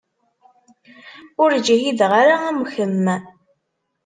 Ur ǧhideɣ ara am kemm.